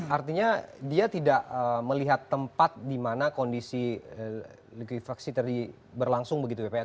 artinya dia tidak melihat tempat di mana kondisi likuifaksi tadi berlangsung begitu ya pak ya